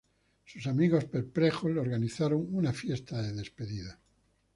Sus amigos, perplejos, le organizaron una fiesta de despedida.